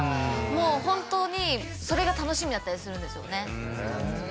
もう本当にそれが楽しみだったりするんですよね。